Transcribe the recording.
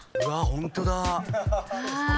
ホントだ。